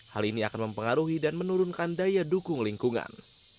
hal ini akan mempengaruhi dan menurunkan daya dukung lingkungan